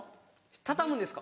畳むんですか。